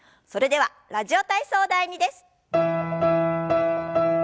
それでは「ラジオ体操第２」です。